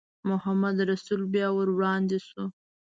محمدرسول بیا ور وړاندې شو.